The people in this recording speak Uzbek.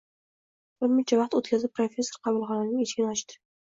Birmuncha vaqt o`tkazib, professor qabulxonaning eshigini ochdi